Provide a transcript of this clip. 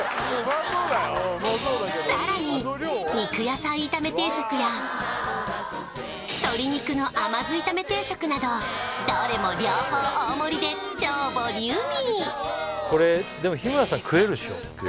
さらに肉野菜炒め定食や鶏肉の甘酢炒め定食などどれも両方大盛りで超ボリューミー！